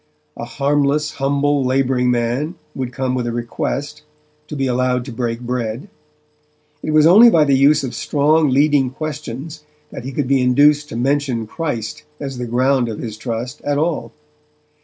A harmless, humble labouring man would come with a request to be allowed to 'break bread'. It was only by the use of strong leading questions that he could be induced to mention Christ as the ground of his trust at all.